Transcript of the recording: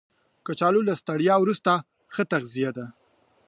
کچالو له ستړیا وروسته ښه تغذیه ده